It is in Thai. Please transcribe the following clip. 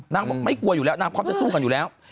บอกไม่กลัวอยู่แล้วนางพร้อมจะสู้กันอยู่แล้ว